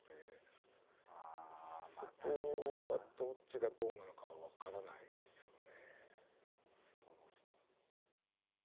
そこはどっちがどうなのかは分からないですよね。